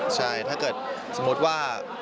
ใช่ถ้าเกิดสมมุติว่า